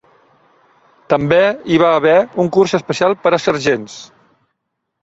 També hi va haver un curs especial per a sergents.